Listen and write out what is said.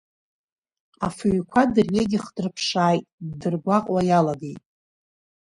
Афыҩқәа дырҩегьых дрыԥшааит, ддыргәаҟуа иалагеит.